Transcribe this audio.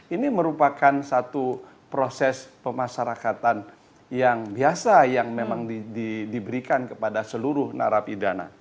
ini merupakan satu proses pemasarakatan yang biasa yang memang diberikan kepada seluruh narapidana